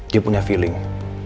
dia punya feeling